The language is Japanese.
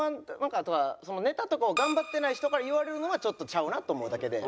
あとはネタとかを頑張ってない人から言われるのはちょっとちゃうなと思うだけで。